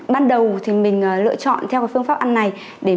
ban đầu thì mình lựa chọn theo phương pháp ăn này để